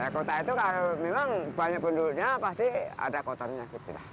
kota itu kalau memang banyak penduduknya pasti ada kotornya